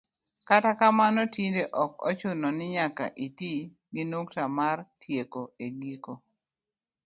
kata kamano tinde ok ochuno ni nyaka iti gi nukta mar tieko e giko